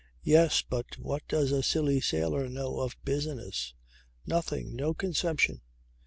"Yes. But what does a silly sailor know of business? Nothing. No conception.